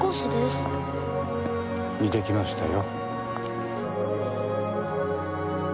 似てきましたよ。